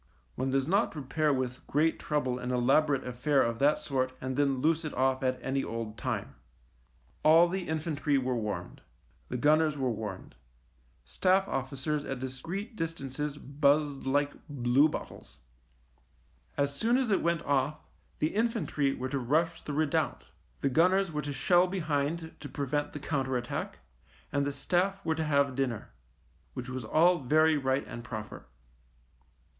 One does not pre pare with great trouble an elaborate affair of that sort and then loose it off at any old time. All the infantry were warned — the gunners were warned — staff officers at dis creet distances buzzed like bluebottles. As soon as it went off the infantry were to rush the redoubt, the gunners were to shell behind to prevent the counter attack, and the staff THE MINE 99 were to have dinner. Which was all very right and proper.